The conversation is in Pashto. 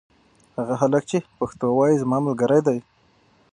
هغه هلک چې پښتو وايي زما ملګری دی.